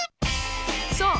そう！